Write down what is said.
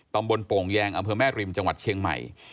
โป่งแยงอำเภอแม่ริมจังหวัดเชียงใหม่